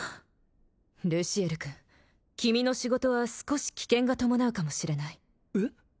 ルシエル君君の仕事は少し危険が伴うかもしれないえっ？